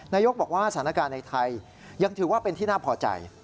บอกว่าสถานการณ์ในไทยยังถือว่าเป็นที่น่าพอใจ